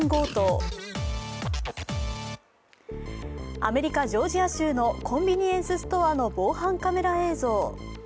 アメリカ・ジョージア州のコンビニエンスストアの防犯カメラ映像。